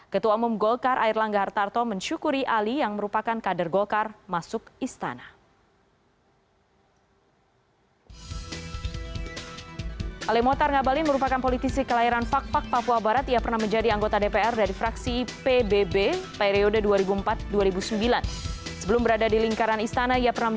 ketua umum golkar airlangga hartarto mensyukuri ali yang merupakan kader golkar masuk istana